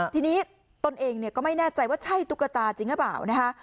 ทีนี้ตนเองก็ไม่แน่ใจว่าใช่ตุ๊กตาจริงหรือเปล่านะคะ